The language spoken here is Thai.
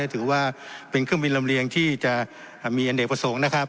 ถือว่าเป็นเครื่องบินลำเลียงที่จะมีอเนกประสงค์นะครับ